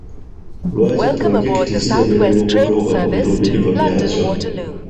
Lwaki pulojekiti ziremererwa okutuuka ku biruubirirwa byazo?